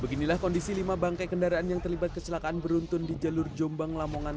beginilah kondisi lima bangkai kendaraan yang terlibat kecelakaan beruntun di jalur jombang lamongan